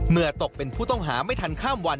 ตกเป็นผู้ต้องหาไม่ทันข้ามวัน